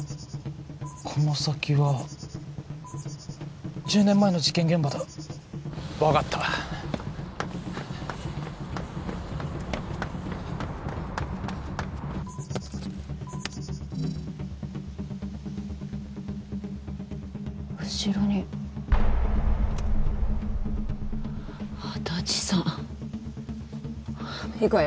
この先は１０年前の事件現場だ分かった後ろに安達さん行くわよ